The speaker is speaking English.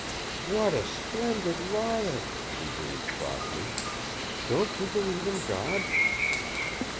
"What a splendid liar!" she breathed softly. "Don't you believe in God?"